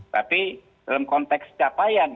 tapi dalam konteks capaian